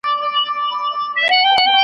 ښځو پټېږی د مرګي وار دی .